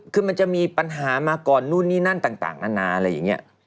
คือมันจะมีปัญหามาก่อนนู่นนี่นั่นต่างนานาอะไรอย่างนี้